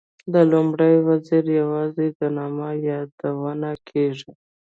د لومړي وزیر یوازې د نامه یادونه کېږي.